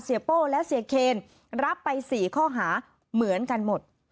โป้และเสียเคนรับไป๔ข้อหาเหมือนกันหมด